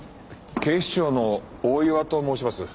警視庁の大岩と申します。